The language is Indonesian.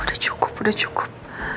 udah cukup udah cukup